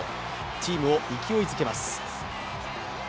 チームを勢いづけます。